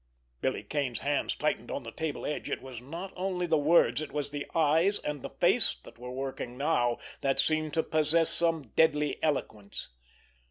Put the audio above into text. Billy Kane's hands tightened on the table edge. It was not only the words, it was the eyes, and the face that were working now, that seemed to possess some deadly eloquence.